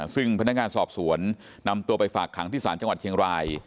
ซึ่งพนักงานสอบสวนนำตัวไปฝากขังที่ศาลจังหวัดเชียงราย